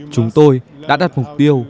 chúng tôi đã đặt mục tiêu